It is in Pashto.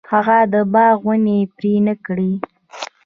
هغه د باغ ونې پرې نه کړې.